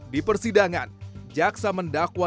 di persidangan jaxa mendakwa